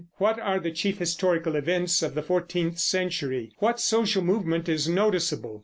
What are the chief historical events of the fourteenth century? What social movement is noticeable?